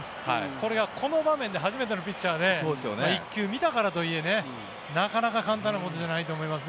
これがこの場面で初めてのピッチャーで１球見たからとはいえなかなか簡単なことじゃないとは思います。